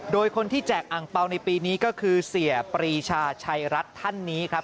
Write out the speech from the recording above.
โดยคนที่แจกอังเปล่าในปีนี้ก็คือเสียปรีชาชัยรัฐท่านนี้ครับ